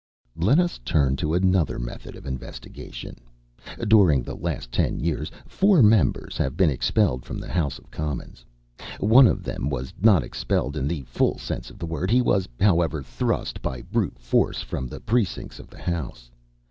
Let us turn to another method of investigation. During the last ten years four members have been expelled from the House of Commons. One of them was not expelled in the full sense of the word; he was, however, thrust by brute force from the precincts of the House.